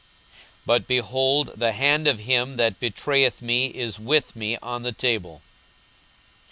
42:022:021 But, behold, the hand of him that betrayeth me is with me on the table.